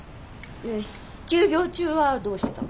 休業中はどうしてたの？